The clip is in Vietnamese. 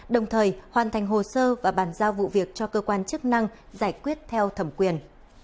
đồng thời hoàn thành hồ sơ và bàn giao vụ việc cho cơ quan chức năng giải quyết theo thẩm quyền